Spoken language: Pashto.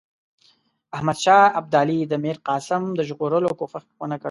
احمدشاه ابدالي د میرقاسم د ژغورلو کوښښ ونه کړ.